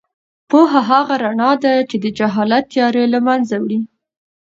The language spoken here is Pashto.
پوهه هغه رڼا ده چې د جهالت تیارې له منځه وړي.